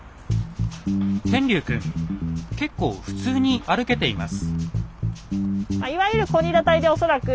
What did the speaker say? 天龍くん結構普通に歩けています。